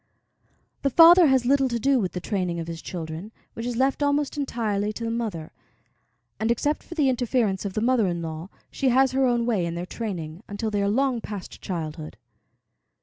The father has little to do with the training of his children, which is left almost entirely to the mother, and, except for the interference of the mother in law, she has her own way in their training, until they are long past childhood.